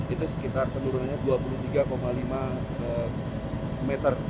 itu sekitar penurunannya dua puluh tiga lima meter